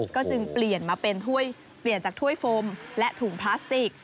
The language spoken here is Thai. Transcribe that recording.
ก็จึงเปลี่ยนมาเป็นถ้วยเปลี่ยนจากถ้วยโฟมและถุงพลาสติก